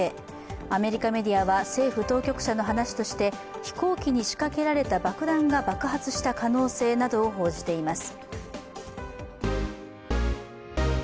アメリカメディアは政府当局者の話として飛行機に仕掛けられた爆弾が爆発した可能性などを報じています。